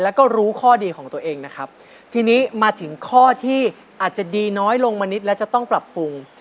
แล้วก็รู้ข้อดีของตัวเองนะครับทีนี้มาถึงข้อที่อาจจะดีน้อยลงมานิดแล้วจะต้องปรับปรุง